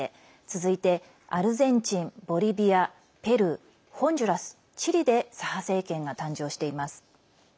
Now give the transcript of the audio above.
続いてアルゼンチン、ボリビアペルー、ホンジュラス、チリで左派政権が誕生しています。